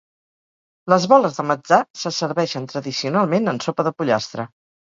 Les boles de "matzah" se serveixen tradicionalment en sopa de pollastre.